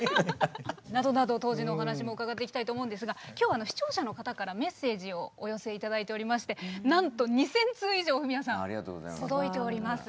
などなど当時のお話も伺っていきたいと思うんですが今日は視聴者の方からメッセージをお寄せ頂いておりましてなんと２，０００通以上フミヤさん届いております。